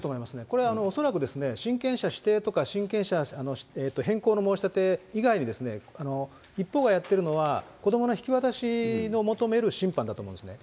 これ恐らく親権者指定とか親権者変更の申し立て以外に、一方がやってるのは、子どもの引き渡しの求める審判だと思うんですね。